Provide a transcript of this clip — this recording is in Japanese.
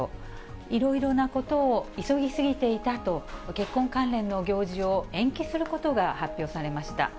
いろいろなことを急ぎすぎていたと、結婚関連の行事を延期することが発表されました。